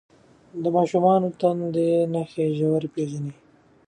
د ماشوم د تنده نښې ژر وپېژنئ.